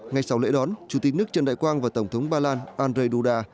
ngày sáu lễ đón chủ tịch nước trần đại quang và tổng thống ba lan andrzej duda